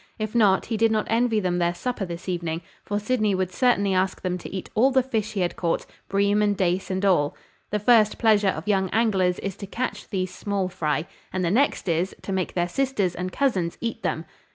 If not, he did not envy them their supper this evening; for Sydney would certainly ask them to eat all the fish he had caught bream and dace and all. The first pleasure of young anglers is to catch these small fry; and the next is, to make their sisters and cousins eat them.